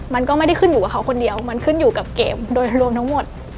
มันก็ไม่ได้ขึ้นอยู่กับเขาคนเดียวมันขึ้นอยู่กับเกมโดยรวมทั้งหมด